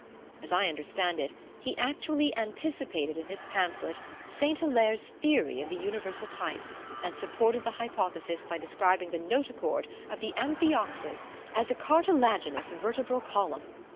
As I understand it, he actually anticipated in his pamphlet Saint Hilaire's theory of the universal type, and supported the hypothesis by describing the notochord of the amphioxus as a cartilaginous vertebral column.